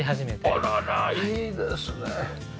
あららいいですね。